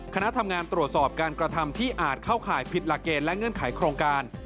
คณะทำงานตรวจสอบการกระทำที่อาจเข้าข่ายผิดหลักเกณฑ์และเงื่อนไขโครงการ